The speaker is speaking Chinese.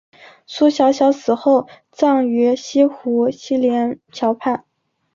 苏小小死后葬于西湖西泠桥畔。